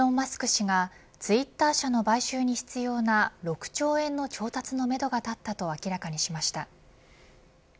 氏がツイッター社の買収に必要な６兆円の調達のめどが立ったと明らかにしました。